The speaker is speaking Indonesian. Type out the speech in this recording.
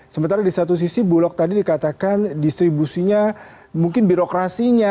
sementara di satu sisi bulog tadi dikatakan distribusinya mungkin birokrasinya